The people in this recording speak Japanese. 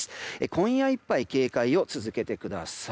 今夜いっぱい警戒を続けてください。